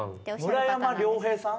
村山龍平さん？